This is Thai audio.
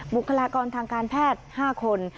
บุคลากรทางการแพทย์๕คน